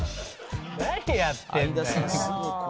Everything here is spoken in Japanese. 何やってんだよ！